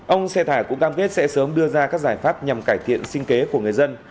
ông xe thả cũng cam kết sẽ sớm đưa ra các giải pháp nhằm cải thiện sinh kế của người dân